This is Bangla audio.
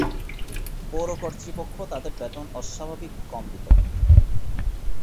পৌর কর্তৃপক্ষ তাদের বেতন অস্বাভাবিক কম দিত।